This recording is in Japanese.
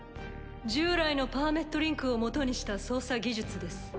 従来のパーメットリンクを基にした操作技術です。